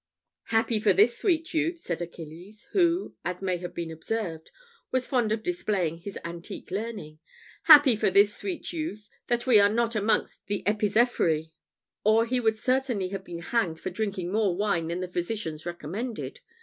"Happy for this sweet youth," said Achilles, who, as may have been observed, was fond of displaying his antique learning "happy for this sweet youth, that we are not amongst the Epizephrii, or he would certainly have been hanged for drinking more wine than the physicians recommended.